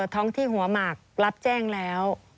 ท้องที่หัวหมากรับแจ้งแล้ว